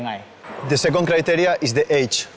เราไม่มีพวกมันเกี่ยวกับพวกเราแต่เราไม่มีพวกมันเกี่ยวกับพวกเรา